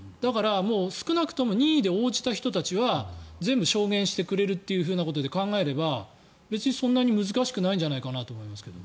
少なくとも任意で応じた人たちは全部証言してくれるというふうなことで考えれば別にそんなに難しくないんじゃないかと思いますが。